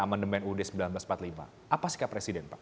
amandemen ud seribu sembilan ratus empat puluh lima apa sikap presiden pak